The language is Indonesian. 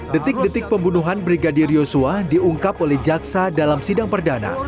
detik detik pembunuhan brigadir yosua diungkap oleh jaksa dalam sidang perdana